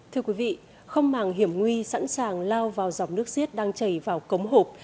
thưa quý vị không màng hiểm nguy sẵn sàng lao vào dòng nước xiết đang chảy vào cống hộp